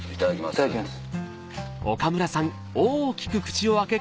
いただきます。